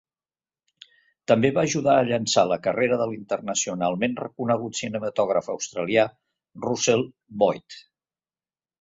També va ajudar a llançar la carrera de l'internacionalment reconegut cinematògraf australià Russell Boyd.